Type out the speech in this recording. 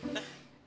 nah ikut dong